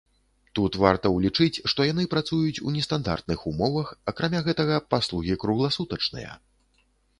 Тут варта ўлічыць, што яны працуюць у нестандартных умовах, акрамя гэтага, паслугі кругласутачныя.